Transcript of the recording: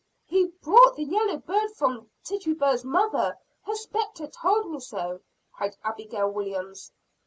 "He bought the yellow bird from Tituba's mother her spectre told me so!" cried Abigail Williams.